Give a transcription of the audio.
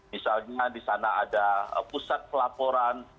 misalnya di sana ada pusat pelaporan